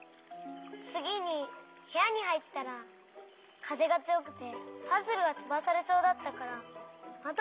つぎにへやにはいったらかぜがつよくてパズルがとばされそうだったからまどをしめようとしたの。